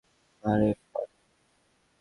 আরে, পার্টি শেষ?